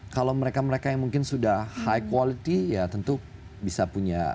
kalau mereka mereka yang mungkin sudah high quality ya tentu bisa punya